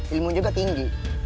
ilmu juga tinggi